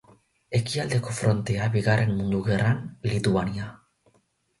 Ekialdeko Frontea Bigarren Mundu Gerran, Lituania.